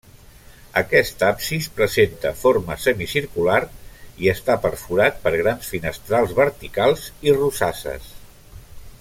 Aquest absis presenta forma semicircular i està perforat per grans finestrals verticals i rosasses.